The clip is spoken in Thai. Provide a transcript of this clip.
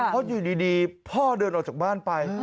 เพราะอยู่ดีพ่อเดินออกจากบ้านไป